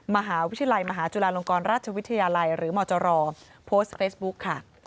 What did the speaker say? มหาวิทยาลัยมหาจุฬาลงกรราชวิทยาลัยหรือมจรโพสต์เฟซบุ๊คค่ะ